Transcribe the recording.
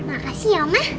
makasih ya emang